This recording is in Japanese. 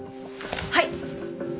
はい！